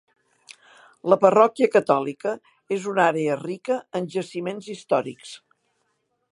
La parròquia catòlica és una àrea rica en jaciments històrics.